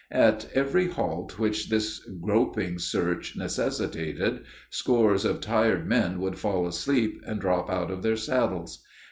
At every halt which this groping search necessitated, scores of tired men would fall asleep and drop out of their saddles.